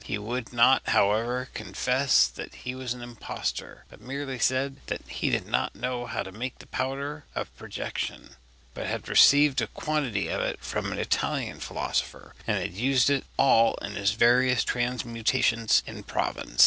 He would not, however, confess that he was an impostor; but merely said he did not know how to make the powder of projection, but had received a quantity from an Italian philosopher, and had used it all in his various transmutations in Provence.